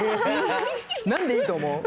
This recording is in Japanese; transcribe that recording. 何でいいと思う？